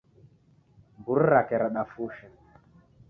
Mburi rake radafusha.